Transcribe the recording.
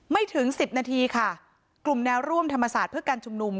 ถึงสิบนาทีค่ะกลุ่มแนวร่วมธรรมศาสตร์เพื่อการชุมนุม